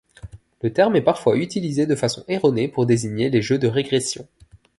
Le terme est parfois utilisé de façon erronée pour désigner les jeux de régression.